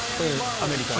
アメリカの。